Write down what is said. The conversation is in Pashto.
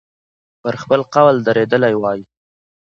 پر خپل قول درېدلی وای.